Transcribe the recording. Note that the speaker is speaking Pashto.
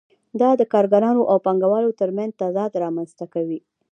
دا د کارګرانو او پانګوالو ترمنځ تضاد رامنځته کوي